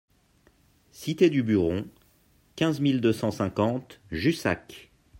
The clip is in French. Cité du Buron, quinze mille deux cent cinquante Jussac